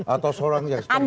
atau seorang yang tergatuh cinta